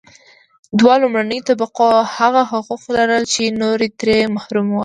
دوه لومړنیو طبقو هغه حقوق لرل چې نور ترې محروم وو.